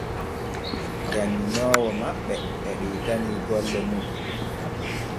Janŋinoowo maɓɓe e ɗoytani golle mun.